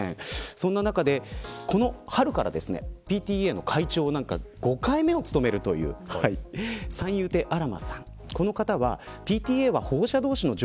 そんな中でこの春からＰＴＡの会長の５回目を務める三遊亭あら